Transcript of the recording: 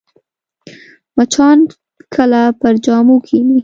مچان کله پر جامو کښېني